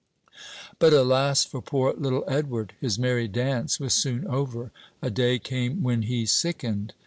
But alas for poor little Edward! his merry dance was soon over. A day came when he sickened.